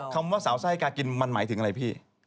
คำว่าสาวไส้กากินมันหมายถึงอะไรพี่